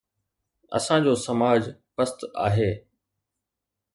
اسان جو سماج پست آهي.